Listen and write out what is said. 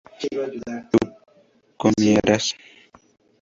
¿tú comieras?